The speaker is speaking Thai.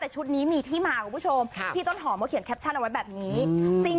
แต่ชุดนี้มีที่มาคุณผู้ชมพี่ต้นหอมเขาเขียนแคปชั่นเอาไว้แบบนี้